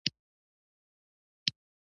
ړانده وویل بچی د ځناور دی